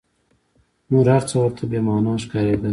نور هر څه ورته بې مانا ښکارېدل.